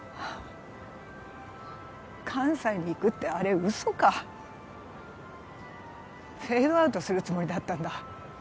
関西に行くってあれ嘘かフェードアウトするつもりだったんだ